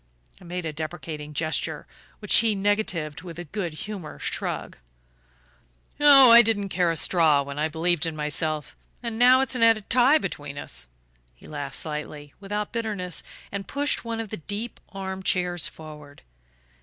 I made a deprecating gesture, which he negatived with a good humoured shrug. "Oh, I didn't care a straw when I believed in myself and now it's an added tie between us!" He laughed slightly, without bitterness, and pushed one of the deep arm chairs forward.